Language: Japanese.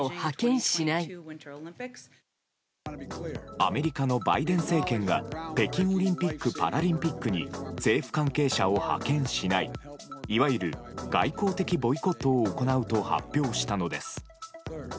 アメリカのバイデン政権が北京オリンピック・パラリンピックに政府関係者を派遣しないいわゆる外交的ボイコットを行うと発表したのです。